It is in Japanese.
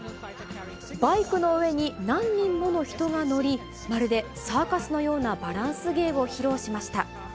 バイクの上に何人もの人が乗り、まるでサーカスのようなバランス芸を披露しました。